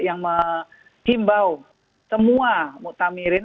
yang mengimbau semua muktamirin